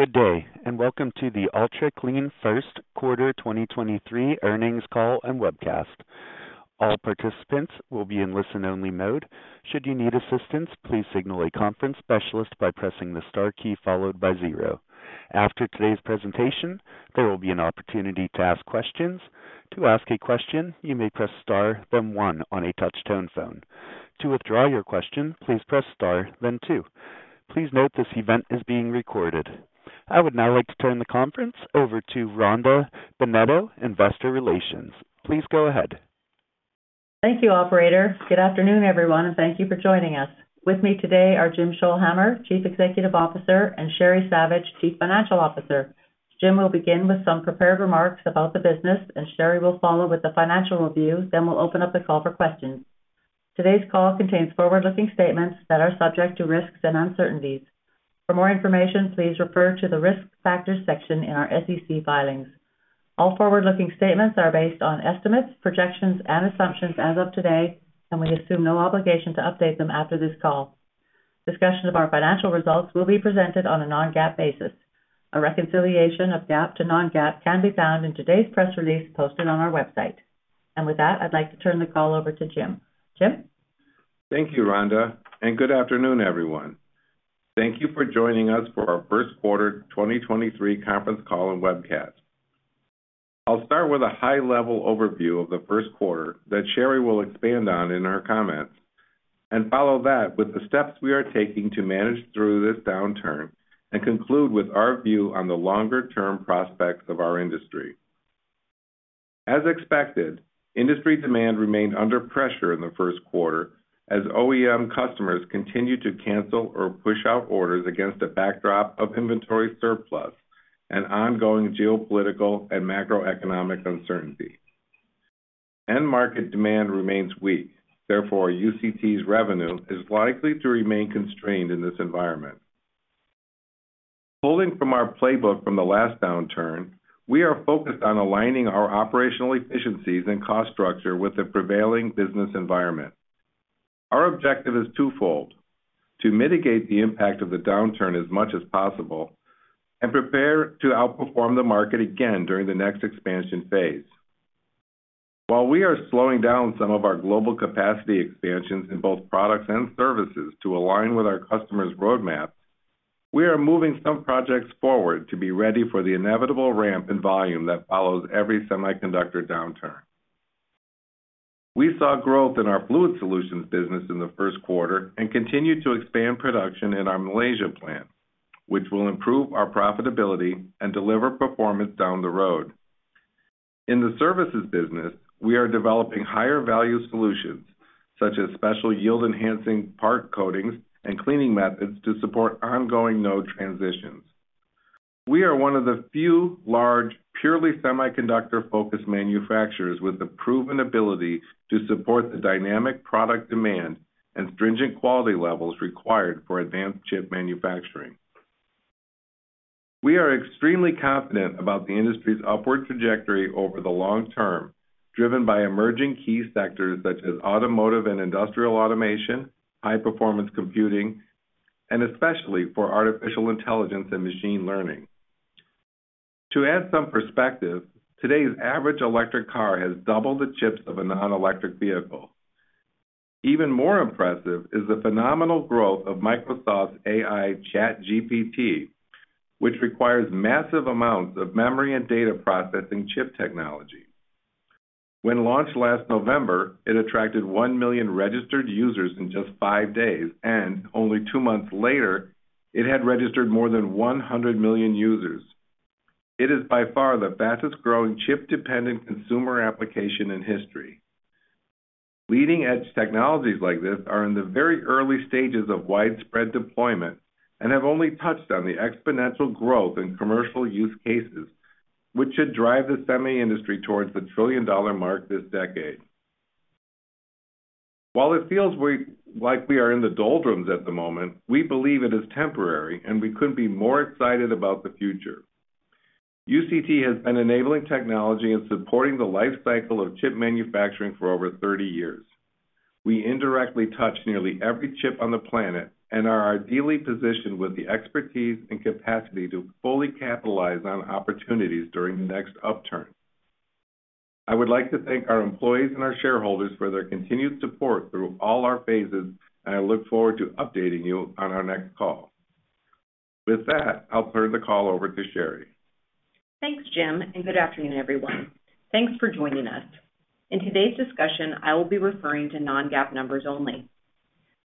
Good day, and welcome to the Ultra Clean First Quarter 2023 Earnings Call and Webcast. All participants will be in listen-only mode. Should you need assistance, please signal a conference specialist by pressing the star key followed by zero. After today's presentation, there will be an opportunity to ask questions. To ask a question, you may press star then one on a touch-tone phone. To withdraw your question, please press star then two. Please note this event is being recorded. I would now like to turn the conference over to Rhonda Bennetto, Investor Relations. Please go ahead. Thank you, operator. Good afternoon, everyone, and thank you for joining us. With me today are Jim Scholhamer, Chief Executive Officer, and Sheri Savage, Chief Financial Officer. Jim will begin with some prepared remarks about the business and Sheri will follow with the financial review, then we'll open up the call for questions. Today's call contains forward-looking statements that are subject to risks and uncertainties. For more information, please refer to the Risk Factors section in our SEC filings. All forward-looking statements are based on estimates, projections, and assumptions as of today, and we assume no obligation to update them after this call. Discussion of our financial results will be presented on a non-GAAP basis. A reconciliation of GAAP to non-GAAP can be found in today's press release posted on our website. With that, I'd like to turn the call over to Jim. Jim? Thank you, Rhonda, and good afternoon, everyone. Thank you for joining us for our First Quarter 2023 Conference Call and Webcast. I'll start with a high-level overview of the first quarter that Sheri will expand on in her comments, and follow that with the steps we are taking to manage through this downturn and conclude with our view on the longer-term prospects of our industry. As expected, industry demand remained under pressure in the first quarter as OEM customers continued to cancel or push out orders against a backdrop of inventory surplus and ongoing geopolitical and macroeconomic uncertainty. End market demand remains weak, therefore, UCT's revenue is likely to remain constrained in this environment. Pulling from our playbook from the last downturn, we are focused on aligning our operational efficiencies and cost structure with the prevailing business environment. Our objective is twofold: to mitigate the impact of the downturn as much as possible and prepare to outperform the market again during the next expansion phase. While we are slowing down some of our global capacity expansions in both products and services to align with our customers' roadmaps, we are moving some projects forward to be ready for the inevitable ramp in volume that follows every semiconductor downturn. We saw growth in our Fluid Solutions business in the first quarter and continued to expand production in our Malaysia plant, which will improve our profitability and deliver performance down the road. In the services business, we are developing higher-value solutions such as special yield-enhancing part coatings and cleaning methods to support ongoing node transitions. We are one of the few large, purely semiconductor-focused manufacturers with the proven ability to support the dynamic product demand and stringent quality levels required for advanced chip manufacturing. We are extremely confident about the industry's upward trajectory over the long term, driven by emerging key sectors such as automotive and industrial automation, high-performance computing, and especially for artificial intelligence and machine learning. To add some perspective, today's average electric car has double the chips of a non-electric vehicle. Even more impressive is the phenomenal growth of AI ChatGPT, which requires massive amounts of memory and data processing chip technology. When launched last November, it attracted 1 million registered users in just five days, and only two months later, it had registered more than 100 million users. It is by far the fastest-growing chip-dependent consumer application in history. Leading-edge technologies like this are in the very early stages of widespread deployment and have only touched on the exponential growth in commercial use cases, which should drive the semi industry towards the trillion-dollar mark this decade. While it feels like we are in the doldrums at the moment, we believe it is temporary, and we couldn't be more excited about the future. UCT has been enabling technology and supporting the life cycle of chip manufacturing for over 30 years. We indirectly touch nearly every chip on the planet and are ideally positioned with the expertise and capacity to fully capitalize on opportunities during the next upturn. I would like to thank our employees and our shareholders for their continued support through all our phases, and I look forward to updating you on our next call. With that, I'll turn the call over to Sheri. Thanks, Jim. Good afternoon, everyone. Thanks for joining us. In today's discussion, I will be referring to non-GAAP numbers only.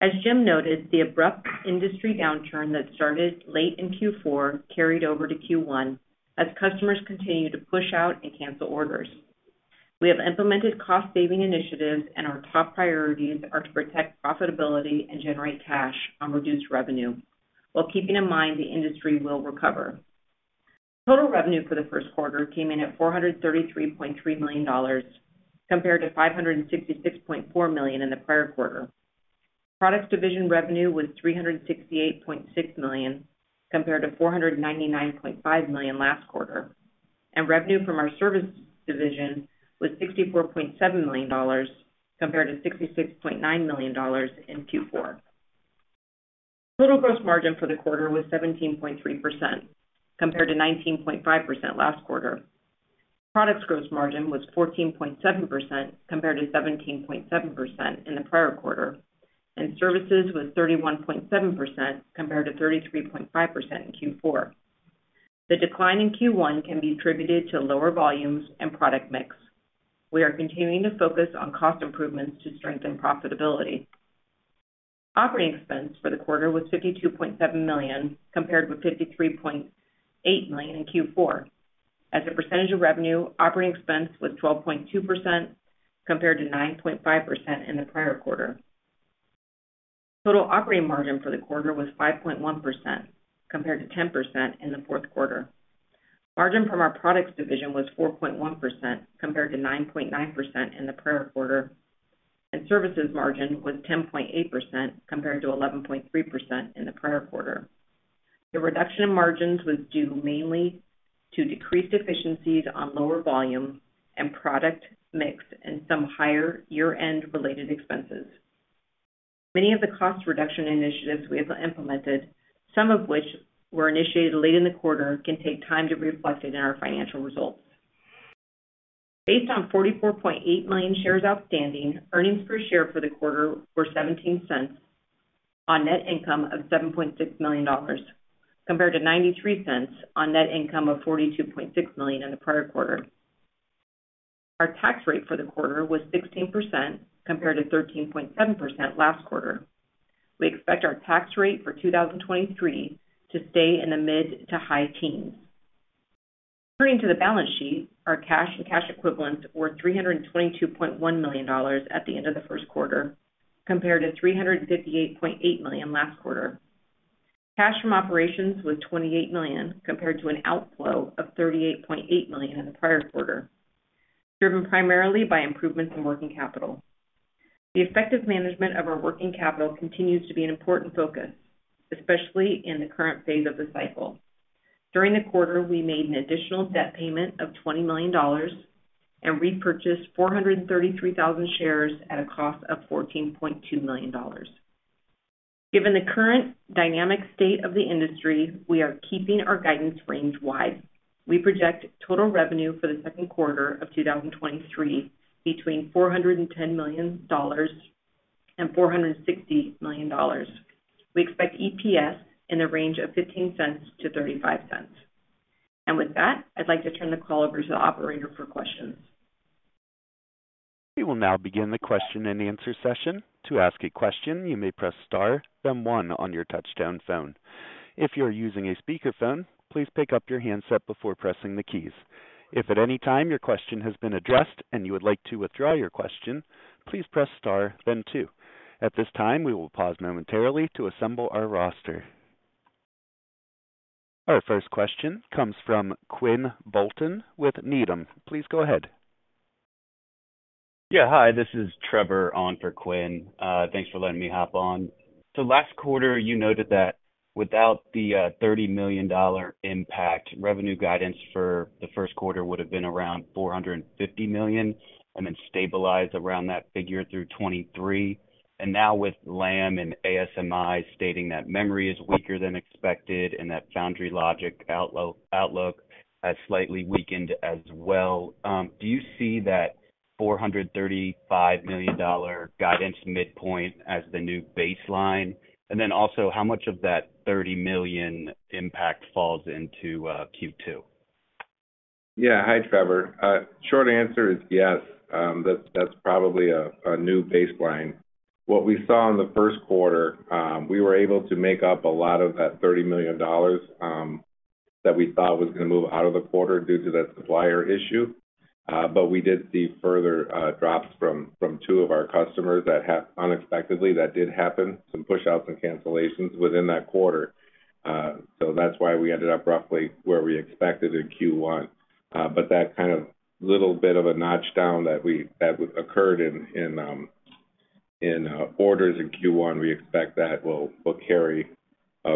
As Jim noted, the abrupt industry downturn that started late in Q4 carried over to Q1 as customers continued to push out and cancel orders. We have implemented cost-saving initiatives, and our top priorities are to protect profitability and generate cash on reduced revenue while keeping in mind the industry will recover. Total revenue for the first quarter came in at $433.3 million compared to $566.4 million in the prior quarter. Products division revenue was $368.6 million compared to $499.5 million last quarter. Revenue from our service division was $64.7 million compared to $66.9 million in Q4. Total gross margin for the quarter was 17.3% compared to 19.5% last quarter. Products gross margin was 14.7% compared to 17.7% in the prior quarter, and services was 31.7% compared to 33.5% in Q4. The decline in Q1 can be attributed to lower volumes and product mix. We are continuing to focus on cost improvements to strengthen profitability. Operating expense for the quarter was $52.7 million, compared with $53.8 million in Q4. As a percentage of revenue, operating expense was 12.2% compared to 9.5% in the prior quarter. Total operating margin for the quarter was 5.1% compared to 10% in the fourth quarter. Margin from our products division was 4.1% compared to 9.9% in the prior quarter, and services margin was 10.8% compared to 11.3% in the prior quarter. The reduction in margins was due mainly to decreased efficiencies on lower volume and product mix and some higher year-end related expenses. Many of the cost reduction initiatives we have implemented, some of which were initiated late in the quarter, can take time to be reflected in our financial results. Based on 44.8 million shares outstanding, earnings per share for the quarter were $0.17 on net income of $7.6 million, compared to $0.93 on net income of $42.6 million in the prior quarter. Our tax rate for the quarter was 16% compared to 13.7% last quarter. We expect our tax rate for 2023 to stay in the mid to high teens. Turning to the balance sheet, our cash and cash equivalents were $322.1 million at the end of the first quarter compared to $358.8 million last quarter. Cash from operations was $28 million compared to an outflow of $38.8 million in the prior quarter, driven primarily by improvements in working capital. The effective management of our working capital continues to be an important focus, especially in the current phase of the cycle. During the quarter, we made an additional debt payment of $20 million and repurchased 433,000 shares at a cost of $14.2 million. Given the current dynamic state of the industry, we are keeping our guidance range wide. We project total revenue for the second quarter of 2023 between $410 million and $460 million. We expect EPS in the range of $0.15-$0.35. With that, I'd like to turn the call over to the operator for questions. We will now begin the question-and-answer session. To ask a question, you may press star then one on your touch-tone phone. If you are using a speakerphone, please pick up your handset before pressing the keys. If at any time your question has been addressed and you would like to withdraw your question, please press star then two. At this time, we will pause momentarily to assemble our roster. Our first question comes from Quinn Bolton with Needham. Please go ahead. Yeah, hi, this is Trevor on for Quinn. Thanks for letting me hop on. Last quarter you noted that without the $30 million impact, revenue guidance for the 1st quarter would have been around $450 million, and then stabilize around that figure through 2023. Now with Lam and ASMI stating that memory is weaker than expected and that Foundry logic outlook has slightly weakened as well, do you see that $435 million guidance midpoint as the new baseline? How much of that $30 million impact falls into Q2? Hi, Trevor. short answer is yes, that's probably a new baseline. What we saw in the first quarter, we were able to make up a lot of that $30 million that we thought was gonna move out of the quarter due to that supplier issue. We did see further drops from two of our customers that unexpectedly, that did happen, some pushouts and cancellations within that quarter. That's why we ended up roughly where we expected in Q1. That kind of little bit of a notch down that occurred in orders in Q1, we expect that will carry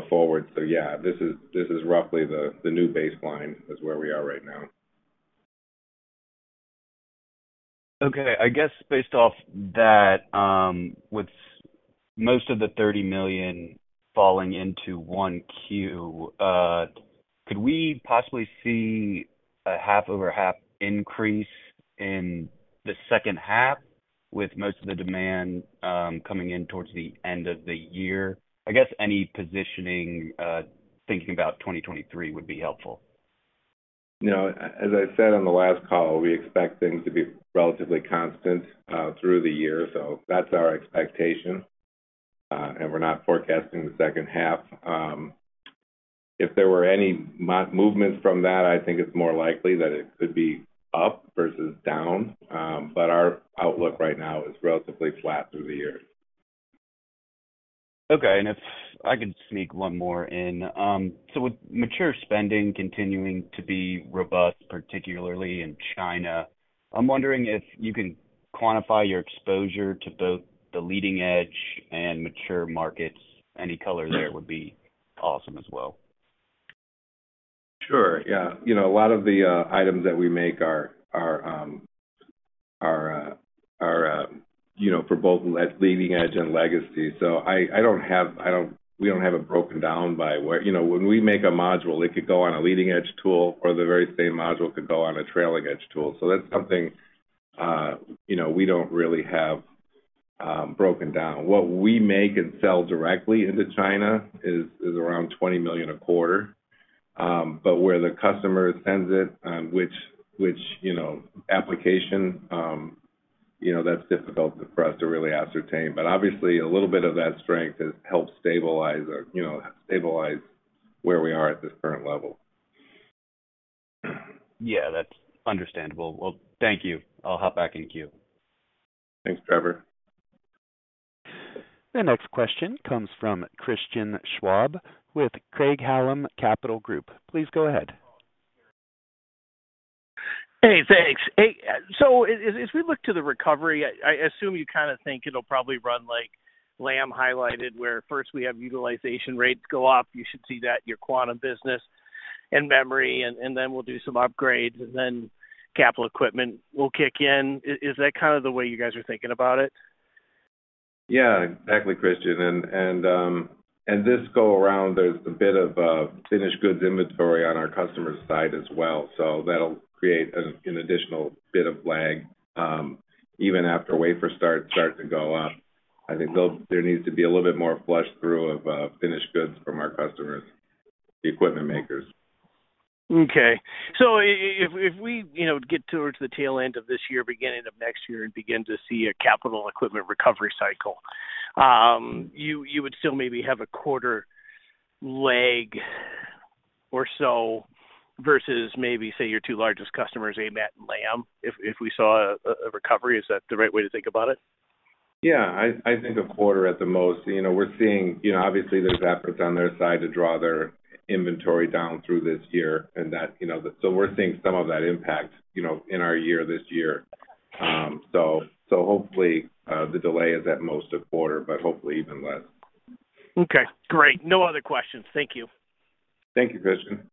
forward. Yeah, this is roughly the new baseline is where we are right now. Okay. I guess based off that, with most of the $30 million falling into 1Q, could we possibly see a half-over-half increase in the second half with most of the demand coming in towards the end of the year? I guess any positioning, thinking about 2023 would be helpful. You know, as I said on the last call, we expect things to be relatively constant through the year. That's our expectation. We're not forecasting the second half. If there were any movements from that, I think it's more likely that it could be up versus down. Our outlook right now is relatively flat through the year. Okay. If I could sneak one more in. With mature spending continuing to be robust, particularly in China. I'm wondering if you can quantify your exposure to both the leading edge and mature markets. Any color there would be awesome as well. Sure, yeah. You know, a lot of the items that we make are, you know, for both leading edge and legacy. We don't have it broken down by where... You know, when we make a module, it could go on a leading edge tool or the very same module could go on a trailing edge tool. That's something, you know, we don't really have broken down. What we make and sell directly into China is around $20 million a quarter. Where the customer sends it, which, you know, application, you know, that's difficult for us to really ascertain. Obviously, a little bit of that strength has helped stabilize or, you know, stabilize where we are at this current level. Yeah, that's understandable. Well, thank you. I'll hop back in queue. Thanks, Trevor. The next question comes from Christian Schwab with Craig-Hallum Capital Group. Please go ahead. Thanks. As we look to the recovery, I assume you kind of think it'll probably run like Lam highlighted, where first we have utilization rates go up. You should see that in your QuantumClean business and memory, and then we'll do some upgrades, and then capital equipment will kick in. Is that kind of the way you guys are thinking about it? Yeah, exactly, Christian. This go around, there's a bit of finished goods inventory on our customer side as well. That'll create an additional bit of lag, even after wafer starts to go up. I think there needs to be a little bit more flush through of finished goods from our customers, the equipment makers. Okay. If we, you know, get towards the tail end of this year, beginning of next year, and begin to see a capital equipment recovery cycle, you would still maybe have a quarter lag or so versus maybe, say, your two largest customers, AMAT and Lam, if we saw a recovery. Is that the right way to think about it? I think a quarter at the most. You know, we're seeing, you know, obviously there's efforts on their side to draw their inventory down through this year and that, you know. We're seeing some of that impact, you know, in our year this year. Hopefully, the delay is at most a quarter, but hopefully even less. Okay, great. No other questions. Thank you. Thank you, Christian.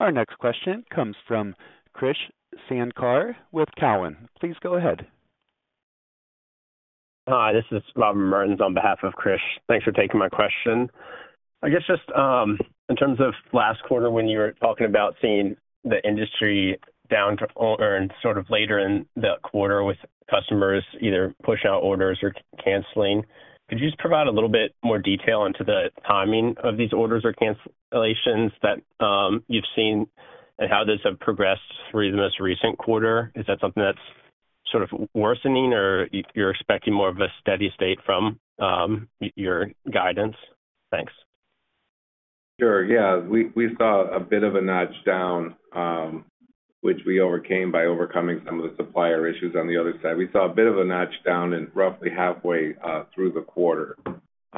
Our next question comes from Krish Sankar with Cowen. Please go ahead. Hi, this is Robert Mertens on behalf of Krish. Thanks for taking my question. I guess just, in terms of last quarter when you were talking about seeing the industry down to, and sort of later in the quarter with customers either push out orders or canceling, could you just provide a little bit more detail into the timing of these orders or cancellations that, you've seen and how this has progressed through the most recent quarter? Is that something that's sort of worsening or if you're expecting more of a steady state from, your guidance? Thanks. Sure. Yeah. We saw a bit of a notch down, which we overcame by overcoming some of the supplier issues on the other side. We saw a bit of a notch down in roughly halfway through the quarter.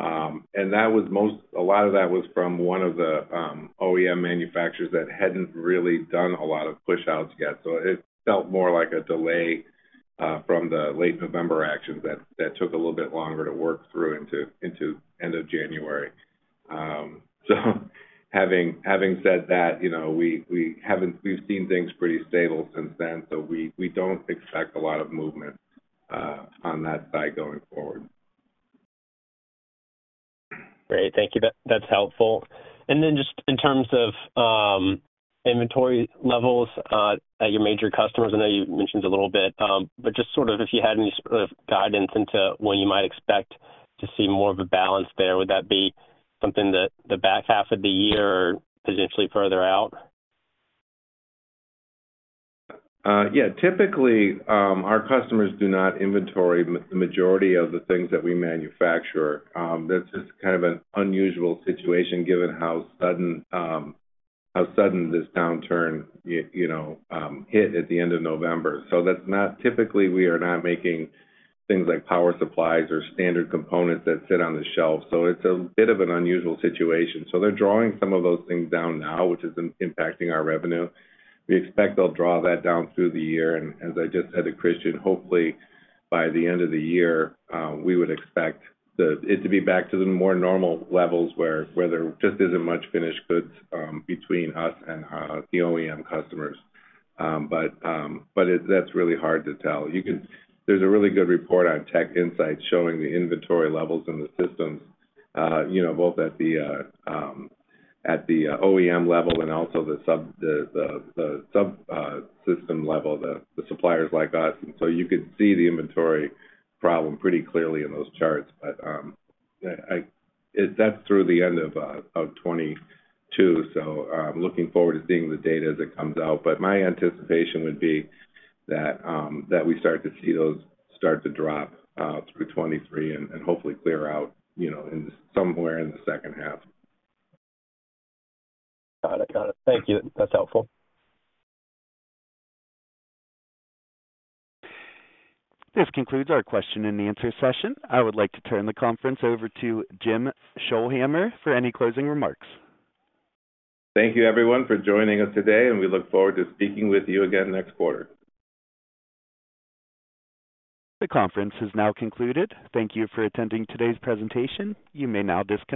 A lot of that was from one of the OEM manufacturers that hadn't really done a lot of push outs yet. It felt more like a delay from the late November actions that took a little bit longer to work through into end of January. Having said that, you know, we've seen things pretty stable since then, so we don't expect a lot of movement on that side going forward. Great. Thank you. That's helpful. Just in terms of inventory levels at your major customers, I know you mentioned a little bit, just sort of if you had any sort of guidance into when you might expect to see more of a balance there, would that be something that the back half of the year or potentially further out? Yeah. Typically, our customers do not inventory majority of the things that we manufacture. That's just kind of an unusual situation given how sudden, how sudden this downturn, you know, hit at the end of November. Typically, we are not making things like power supplies or standard components that sit on the shelf, so it's a bit of an unusual situation. They're drawing some of those things down now, which is impacting our revenue. We expect they'll draw that down through the year, and as I just said to Christian, hopefully by the end of the year, we would expect it to be back to the more normal levels where there just isn't much finished goods, between us and the OEM customers. That's really hard to tell. There's a really good report on TechInsights showing the inventory levels in the systems, you know, both at the OEM level and also the system level, the suppliers like us. You could see the inventory problem pretty clearly in those charts. That's through the end of 2022, so I'm looking forward to seeing the data as it comes out. My anticipation would be that we start to see those start to drop through 2023 and hopefully clear out, you know, in somewhere in the second half. Got it. Thank you. That's helpful. This concludes our question-and-answer session. I would like to turn the conference over to Jim Scholhamer for any closing remarks. Thank you, everyone, for joining us today, and we look forward to speaking with you again next quarter. The conference has now concluded. Thank you for attending today's presentation. You may now disconnect.